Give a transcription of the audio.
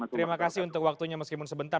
terima kasih untuk waktunya meskipun sebentar